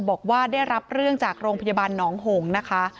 บอกว่าได้รับเรื่องจากโรงพยาบาลหนองหงนะคะ